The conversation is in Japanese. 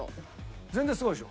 全然すごいでしょ。